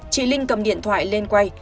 chị linh cầm điện thoại lên quay